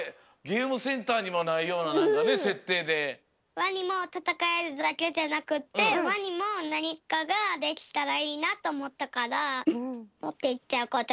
ワニもたたかれるだけじゃなくってワニもなにかができたらいいなとおもったからもっていっちゃうことにしたの。